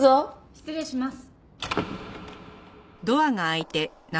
失礼します。